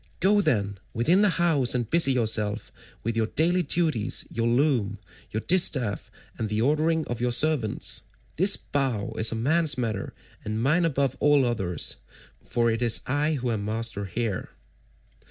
Go, then, within the house and busy yourself with your daily duties, your loom, your distaff, and the ordering of your servants. This bow is a man's matter, and mine above all others, for it is I who am master here."